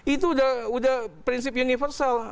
itu udah prinsip universal